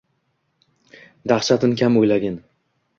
Dahshatin kam o’ylagin.